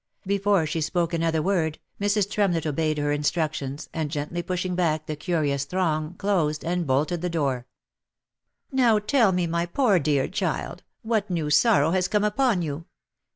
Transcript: Be fore she spoke another word, Mrs. Tremlett obeyed her instructions, and gently pushing back the curious throng, closed and bolted the door. " Now tell me then, my poor dear child, what new sorrow has come upon you?